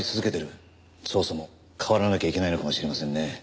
捜査も変わらなきゃいけないのかもしれませんね。